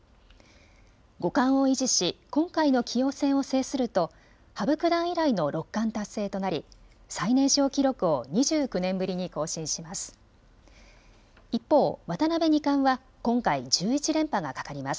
五冠を維持し今回の棋王戦を制すると羽生九段以来の六冠達成となり最年少記録を２９年ぶりに更新します。